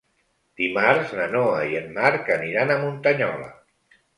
Dimarts na Noa i en Marc aniran a Muntanyola.